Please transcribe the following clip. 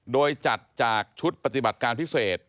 โดยจัดจากชุดปฏิบัติการพิเศษ